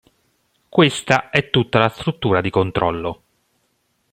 Questa è tutta la struttura di controllo!".